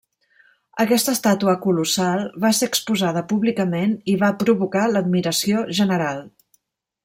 Aquesta estàtua colossal va ser exposada públicament, i va provocar l'admiració general.